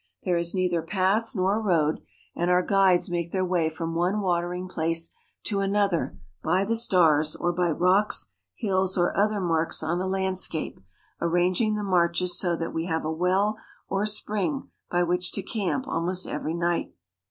There Knwling camel, and owner, ig neither path not road, and our guides make their way from one watering place to another by the staVs or by rocks, hills, or other marks on the landscape, arranging the marches so that we have a well or spring by which to camp almost every night.